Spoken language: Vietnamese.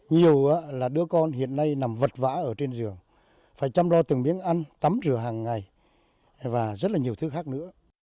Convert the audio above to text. nhiều là đứa con hiện nay nằm vật vã ở trên giường phải chăm lo từng miếng ăn tắm rửa hàng ngày và rất là nhiều thứ khác nữa